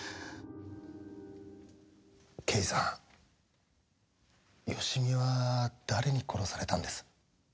刑事さん芳美は誰に殺されたんです？